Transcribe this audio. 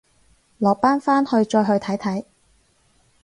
落班翻去再去睇睇